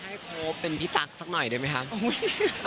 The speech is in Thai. ให้ครบเป็นพี่ตั๊กสักหน่อยได้ไหมคะ